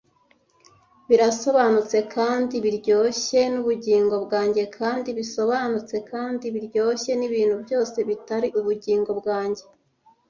Birasobanutse kandi biryoshye nubugingo bwanjye, kandi bisobanutse kandi biryoshye nibintu byose bitari ubugingo bwanjye.